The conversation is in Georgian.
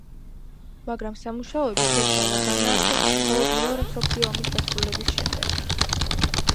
მაგრამ, სამუშაოები შეწყდა და განაახლეს მხოლოდ მეორე მსოფლიო ომის დასრულების შემდეგ.